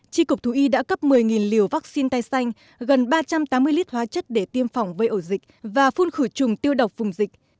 tri cục thú y đã cấp một mươi liều vaccine tai xanh gần ba trăm tám mươi lít hóa chất để tiêm phòng vây ổ dịch và phun khử trùng tiêu độc vùng dịch